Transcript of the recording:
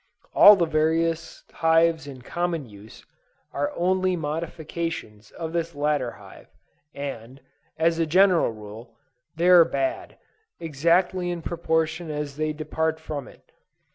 All the various hives in common use, are only modifications of this latter hive, and, as a general rule, they are bad, exactly in proportion as they depart from it.